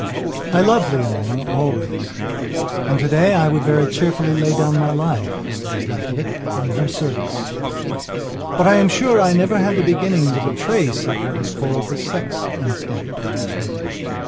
I loved Leonora always and, today, I would very cheerfully lay down my life, what is left of it, in her service. But I am sure I never had the beginnings of a trace of what is called the sex instinct towards her.